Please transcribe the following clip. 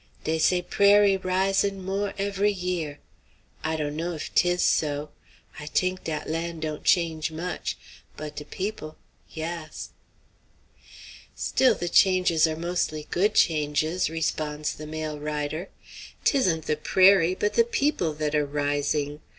Dey say prairie risin' mo' higher every year. I dunno if 'tis so. I t'ink dat land don't change much; but de peop', yass." "Still, the changes are mostly good changes," responds the male rider. "'Tisn't the prairie, but the people that are rising.